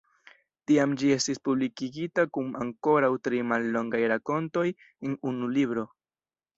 Tiam ĝi estis publikigita kun ankoraŭ tri mallongaj rakontoj en unu libro.